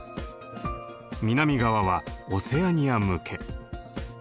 南側はオセアニア向け。